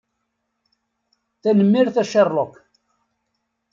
Tanemmirt a Sherlock.